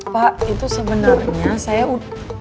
pak itu sebenarnya saya udah